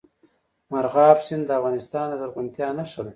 مورغاب سیند د افغانستان د زرغونتیا نښه ده.